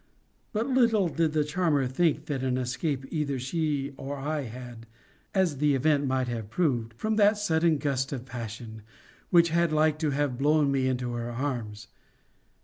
But little did the charmer think that an escape either she or I had (as the event might have proved) from that sudden gust of passion, which had like to have blown me into her arms.